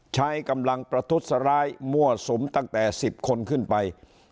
ใช้กำลังประทุษร้ายมั่วสุมตั้งแต่๑๐คนขึ้นไป